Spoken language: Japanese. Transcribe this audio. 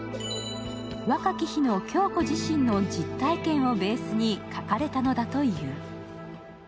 若き日の響子自身の実体験をベースに書かれたのだという。